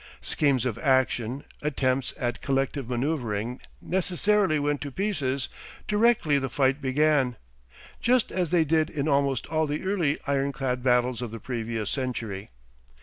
Schemes of action, attempts at collective manoeuvring necessarily went to pieces directly the fight began, just as they did in almost all the early ironclad battles of the previous century.